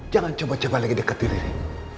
jangan coba coba lagi dekat riri